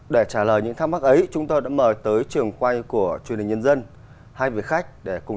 để trả lời những thắc mắc ấy chúng ta đã mời tới trường quay của truyền hình nhân dân